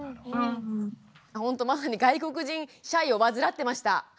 ほんとまさに外国人シャイをわずらってました。